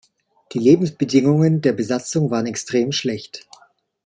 Die Lebensbedingungen der Besatzung waren extrem schlecht.